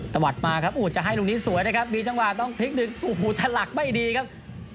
วัดมาครับจะให้ลูกนี้สวยนะครับมีจังหวะต้องพลิกดึงโอ้โหถลักไม่ดีครับ